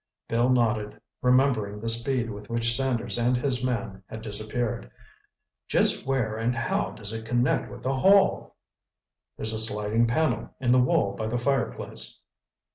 Bill nodded, remembering the speed with which Sanders and his man had disappeared. "Just where and how does it connect with the hall?" "There's a sliding panel in the wall by the fireplace."